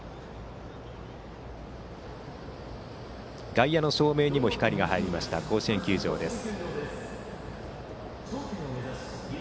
外野の照明にも光が入った甲子園球場です。